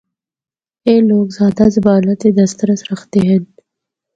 اے لوگ زیادہ زباناں تے دسترس رکھدے ہن۔